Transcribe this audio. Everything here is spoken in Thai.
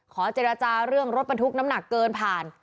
ขอเจรจาเรื่องรถบรรทุกน้ำหนักเกินผ่าน